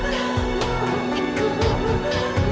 aku tidak mau